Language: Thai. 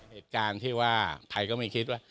เหตุการณ์ที่ว่าใครก็ไม่คิดว่า